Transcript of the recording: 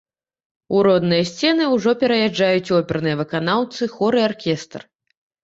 У родныя сцены ўжо пераязджаюць оперныя выканаўцы, хор і аркестр.